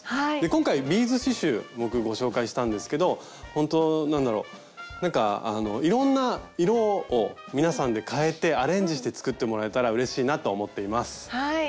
今回ビーズ刺しゅう僕ご紹介したんですけどほんとなんだろなんかいろんな色を皆さんで変えてアレンジして作ってもらえたらうれしいなと思っています。